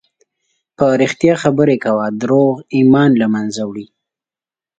په رښتیا خبرې کوه، دروغ ایمان له منځه وړي.